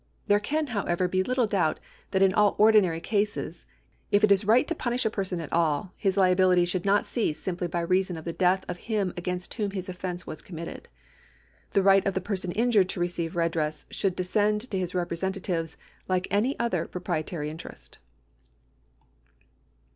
There can, however, be little deubt that in all ordinary cases, if it is right to punish a person at all, his liability should not cease simply by reason of the death of him against whom his offence was committed. The right of the person injured to receive redress should descend to his representatives like any other proprietary interest.